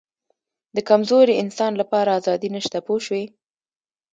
د کمزوري انسان لپاره آزادي نشته پوه شوې!.